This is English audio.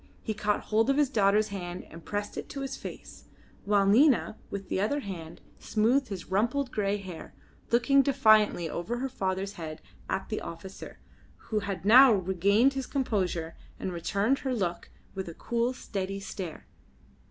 He caught hold of his daughter's hand and pressed it to his face, while Nina with the other hand smoothed his rumpled grey hair, looking defiantly over her father's head at the officer, who had now regained his composure and returned her look with a cool, steady stare.